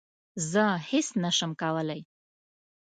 زه هیڅ نه شم کولای